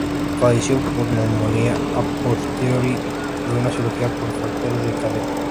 Falleció por neumonía, a posteriori de una cirugía por fractura de cadera.